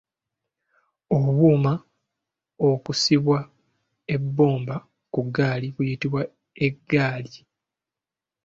Obuuma okusibwa ebbomba ku ggaali buyitibwa eggaali.